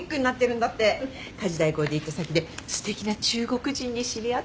家事代行で行った先ですてきな中国人に知り合って。